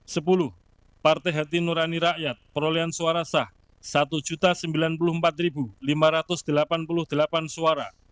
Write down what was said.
sepuluh partai hati nurani rakyat perolehan suara sah satu sembilan puluh empat lima ratus delapan puluh delapan suara